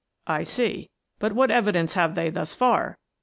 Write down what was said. " I see. But what evidence have they thus far?